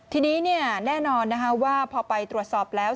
ทีนี้แน่นอนว่าพอไปตรวจสอบแล้ว